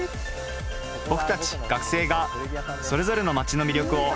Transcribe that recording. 僕たち学生がそれぞれの街の魅力を案内します！